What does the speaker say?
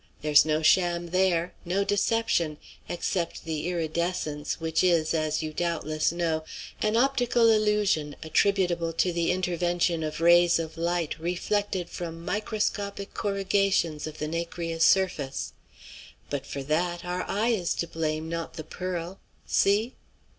There's no sham there; no deception except the iridescence, which is, as you doubtless know, an optical illusion attributable to the intervention of rays of light reflected from microscopic corrugations of the nacreous surface. But for that our eye is to blame, not the pearl. See?"